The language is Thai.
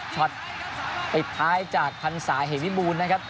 ช็อตอีดท้ายจากคัณศาเหงวิบูรนะครับ